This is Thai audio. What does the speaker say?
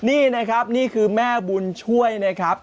นี่นะครับนี่คือแม่บุญช่วยนะครับ